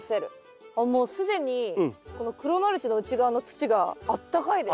もう既にこの黒マルチの内側の土があったかいです。